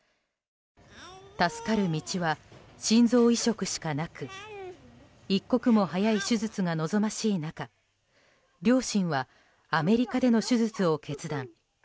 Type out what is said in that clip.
助かる道は心臓移植しかなく一刻も早い手術が望ましい中両親はアメリカでの手術を決断。